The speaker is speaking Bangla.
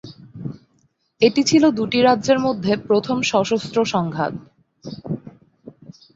এটি ছিল দুটি রাজ্যের মধ্যে প্রথম সশস্ত্র সংঘাত।